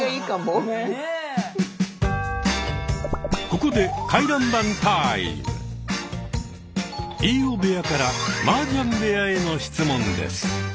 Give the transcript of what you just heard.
ここで飯尾部屋からマージャン部屋への質問です。